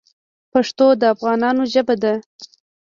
پښتو د افغانانو ژبه ده.